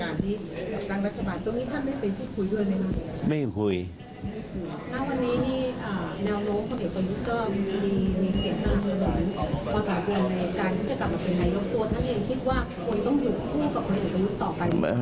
ตรงนี้ท่านไม่ได้ไปคุยด้วยไหมครับ